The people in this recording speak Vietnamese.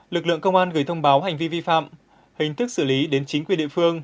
lực lượng công an gửi thông báo hành vi vi phạm hình thức xử lý đến chính quyền địa phương